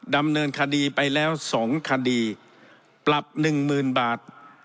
ดำเนินคดีไปแล้ว๒คดีปรับหนึ่งหมื่นบาท